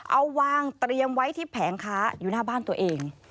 เอาวางเตรียมไว้ที่แผงค้าอยู่หน้าบ้านตัวเอง